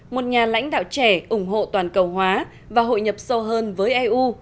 một nhà lãnh đạo trẻ ủng hộ toàn cầu hóa và hội nhập sâu hơn với eu